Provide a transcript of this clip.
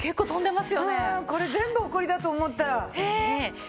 これ全部ホコリだと思ったら怖い。